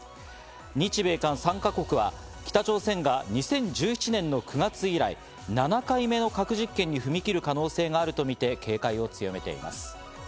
日米韓３か国は北朝鮮が２０１７年の９月以来、７回目の核実験に踏み切る可能性があるとみて警戒を強めています。